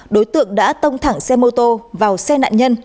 đối tượng đã tông thẳng xe mô tô vào xe nạn nhân